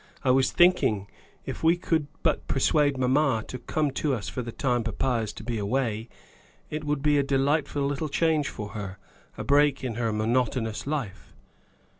I was thinking if we could but persuade mamma to come to us for the time papa is to be away, it would be a delightful little change for her a break in her monotonous life."